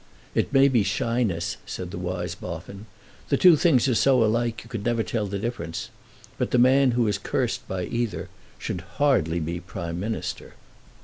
"It may be shyness," said the wise Boffin. "The two things are so alike you can never tell the difference. But the man who is cursed by either should hardly be a Prime Minister."